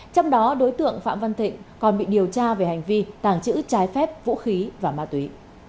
trong đó đối tượng phạm văn thịnh còn bị điều tra về hành vi tàng trữ trái phép vũ khí và ma túy